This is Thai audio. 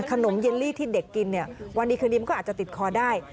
ขนมเยลลี่ที่เด็กกินวันดีคืนนี้มันก็อาจจะติดคอได้